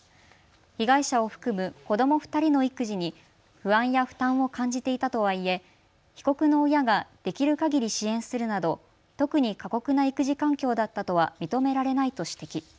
被害者を含む子ども２人の育児に不安や負担を感じていたとはいえ被告の親ができるかぎり支援するなど特に過酷な育児環境だったとは認められないと指摘。